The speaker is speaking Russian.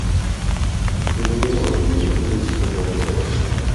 И мы не можем не выполнить это обязательство.